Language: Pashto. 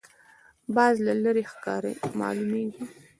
باز له لرې ښکار معلوموي